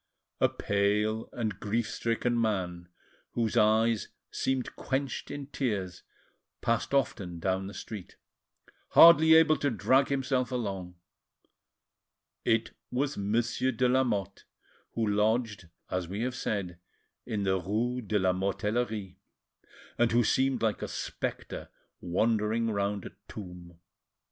A pale and grief stricken man, whose eyes seemed quenched in tears, passed often down the street, hardly able to drag himself along; it was Monsieur de Lamotte, who lodged, as we have said, in the rue de la Mortellerie, and who seemed like a spectre wandering round a tomb.